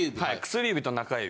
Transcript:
薬指と中指。